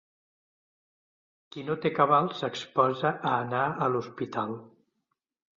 Qui no té cabal s'exposa a anar a l'hospital.